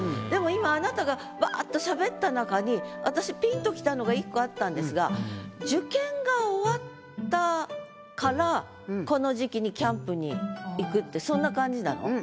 でも今あなたがバッとしゃべった中に私ピンときたのが１個あったんですがこの時期にキャンプに行くってそんな感じなの？